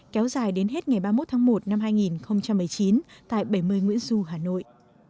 kéo dài đến hết ngày ba mươi một tháng một năm hai nghìn một mươi chín tại bảy mươi nguyễn du hà nội